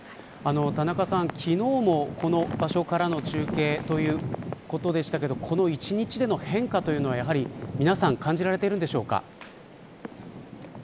田中さん、昨日もこの場所からの中継ということでしたけれどもこの１日での変化というのは皆さん感じられているんでしょうか。